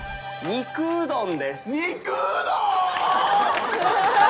肉うどん！？